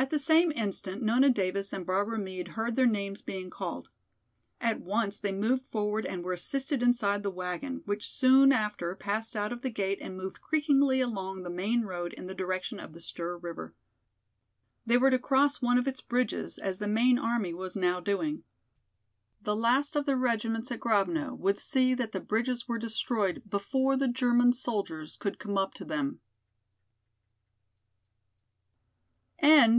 At the same instant Nona Davis and Barbara Meade heard their names being called. At once they moved forward and were assisted inside the wagon, which soon after passed out of the gate and moved creakingly along the main road in the direction of the Styr River. They were to cross one of its bridges, as the main army was now doing. The last of the regiments at Grovno would see that the bridges were destroyed before the German soldiers could come up to them.